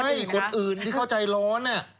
ใช่คนอื่นที่เขาใจร้อน